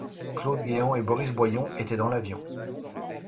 Claude Guéant et Boris Boillon étaient dans l’avion.